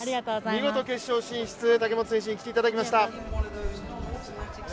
見事決勝進出、武本選手に来ていただきました。